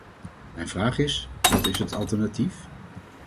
Mijn vraag is: wat is het alternatief?